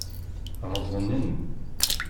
Ɣeẓnen.